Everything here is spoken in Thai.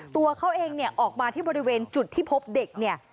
ตัวเขาเองเนี่ยออกมาที่บริเวณจุดที่พบเด็กเนี่ย